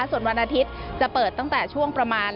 ส่วนวันอาทิตย์จะเปิดตั้งแต่ช่วงประมาณ